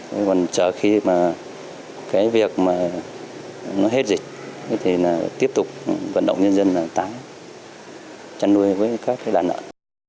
còn chờ khi việc hết dịch thì tiếp tục vận động nhân dân tái chăn nuôi với các đàn lợn